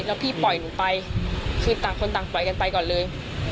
แล้วพี่ปล่อยหนูไปคือต่างคนต่างปล่อยกันไปก่อนเลย